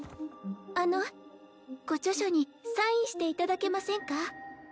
あのご著書にサインしていただけませんか？